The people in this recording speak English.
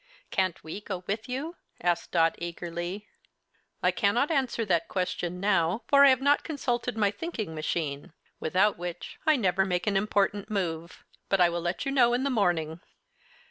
"Can't we go with you?" asked Dot, eagerly. "I cannot answer that question now, for I have not consulted my thinking machine, without which I never make an important move, but I will let you know in the morning."